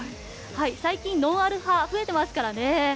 最近、ノンアル派増えてますからね。